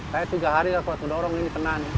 saya tiga hari aku harus mendorong ini tenang